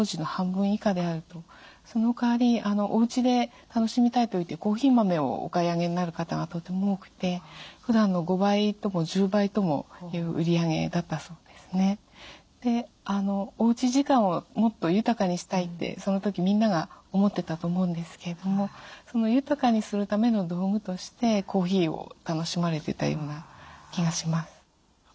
そのかわりおうちで楽しみたいといってコーヒー豆をお買い上げになる方がとても多くてふだんの５倍とも１０倍ともいう売り上げだったそうですね。でおうち時間をもっと豊かにしたいってその時みんなが思ってたと思うんですけれどもその豊かにするための道具としてコーヒーを楽しまれてたような気がします。